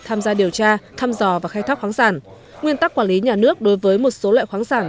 tham gia điều tra thăm dò và khai thác khoáng sản nguyên tắc quản lý nhà nước đối với một số loại khoáng sản